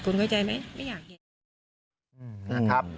คุณเข้าใจไหมไม่อยากเห็น